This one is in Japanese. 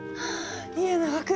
家長君。